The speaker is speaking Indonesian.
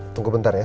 tunggu bentar ya